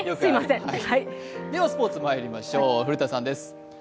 ではスポーツまいりましょう、古田さんです。